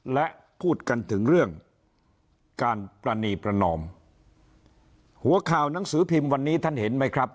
และพูดกันถึงเรื่องการปรณีประนอมหัวข่าวหนังสือพิมพ์วันนี้ท่านเห็นไหมครับ